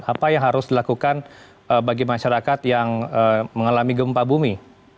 apa yang harus dilakukan bagi masyarakat yang mengalami gempa bumi